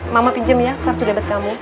mama pinjam yah kartu debit kamu